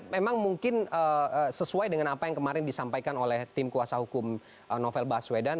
memang mungkin sesuai dengan apa yang kemarin disampaikan oleh tim kuasa hukum novel baswedan